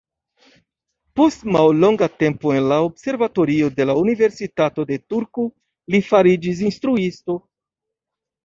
Post mallonga tempo en la observatorio de la universitato de Turku, li fariĝis instruisto.